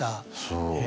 そう。